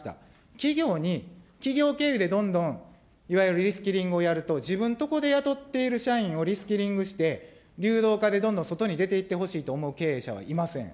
企業に企業経営でどんどんいわゆるリスキリングをやると、自分とこで雇っている社員をリスキリングして、流動化でどんどん外に出て行ってほしいと思う経営者はいません。